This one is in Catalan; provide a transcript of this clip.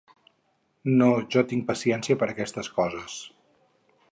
No jo tinc paciència per aquestes coses.